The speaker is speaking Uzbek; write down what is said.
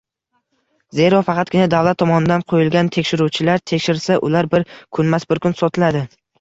Zero faqatgina davlat tomonidan qo‘yilgan tekshiruvchilar tekshirsa, ular bir kunmas-bir kun... sotiladi.